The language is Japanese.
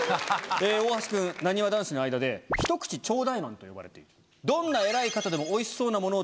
大橋くんなにわ男子の間で「一口ちょうだいマン」と呼ばれている「どんな」。